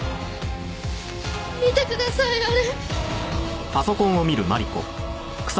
見てくださいあれ。